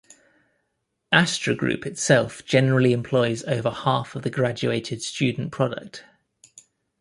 Astra Group itself generally employs over half of the graduated student product.